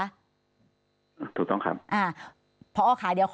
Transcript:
ถูกต้องครับ